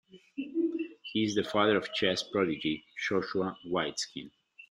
He is the father of chess prodigy Joshua Waitzkin.